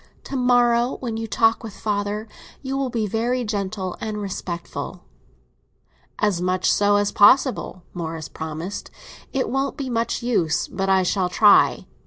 To morrow, when you talk with father, you will be very gentle and respectful." "As much so as possible," Morris promised. "It won't be much use, but I shall try.